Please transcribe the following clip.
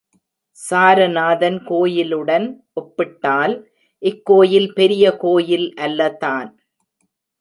சாரநாதன் கோயிலுடன் ஒப்பிட்டால் இக்கோயில் பெரிய கோயில் அல்லதான்.